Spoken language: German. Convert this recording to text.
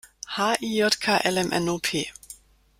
H-I-J-K-L-M-N-O-P!